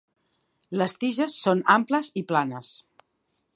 Les tiges són amples i planes.